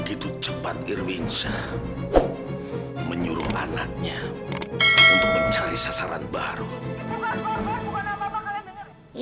itu bukan korban bukan apa apa kalian dengerin